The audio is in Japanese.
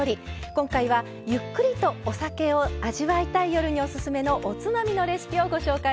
今回はゆっくりとお酒を味わいたい夜にオススメのおつまみのレシピをご紹介します。